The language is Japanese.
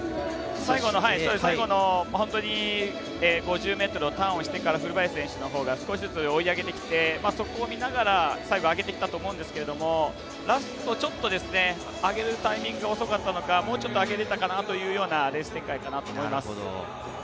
最後の５０ｍをターンしてから古林選手が追い上げてきてそこを見ながら最後上げてきたと思うんですけどラストちょっと上げるタイミング遅かったのかもうちょっと上げれたかなというようなレース展開かなと思います。